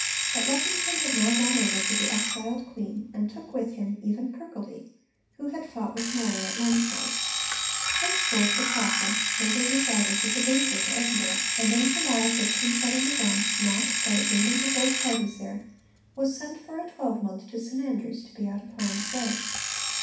But Lethington had now gone over to the exiled Queen, and took with him even Kirkaldy, who had fought with Moray at Langside. Henceforth the Castle, where they resided, was a danger to Edinburgh, and in July, 1571, Knox, by agreement of both parties there, was sent for a twelvemonth to St Andrews to be out of harm's way.